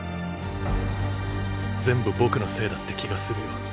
全部僕のせいだって気がするよ。